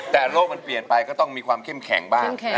แต่โลกมันเปลี่ยนไปก็ต้องมีความเข้มแข็งบ้าง